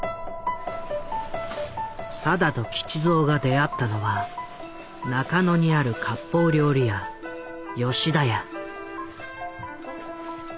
定と吉蔵が出会ったのは中野にある割烹料理屋吉田屋。